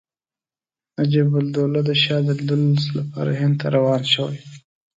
نجیب الدوله د شاه د لیدلو لپاره سرهند ته روان شوی.